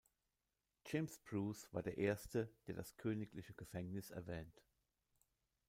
James Bruce war der erste, der das königliche Gefängnis erwähnt.